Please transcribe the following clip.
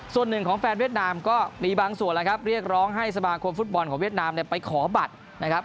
ส่วนหนึ่งของแฟนเวียดนามก็มีบางส่วนแล้วครับเรียกร้องให้สมาคมฟุตบอลของเวียดนามเนี่ยไปขอบัตรนะครับ